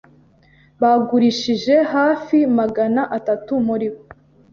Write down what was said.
Bagurishije hafi magana atatu muribo.